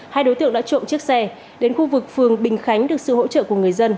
hai đối tượng đã trộm chiếc xe đến khu vực phường bình khánh được sự hỗ trợ của người dân